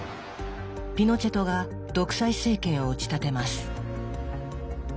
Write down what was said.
ピノチェトが独裁政権を打ち立てます。